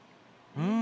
うん。